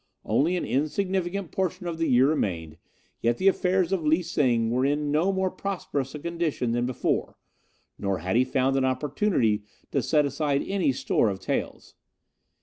Only an insignificant portion of the year remained, yet the affairs of Lee Sing were in no more prosperous a condition than before, nor had he found an opportunity to set aside any store of taels.